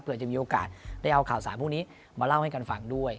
เพื่อจะมีโอกาสได้เอาข่าวสารพวกนี้มาเล่าให้กันฟังด้วย